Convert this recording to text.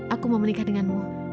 aku mau menikah denganmu